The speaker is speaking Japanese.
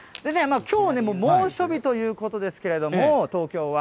きょう猛暑日ということですけれども、東京は。